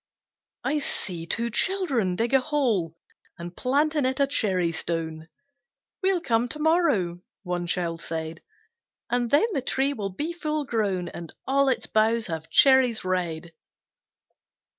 I see two children dig a hole And plant in it a cherry stone: "We'll come to morrow," one child said "And then the tree will be full grown, And all its boughs have cherries red."